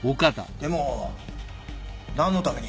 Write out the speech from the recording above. でも何のために？